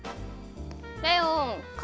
レオン！か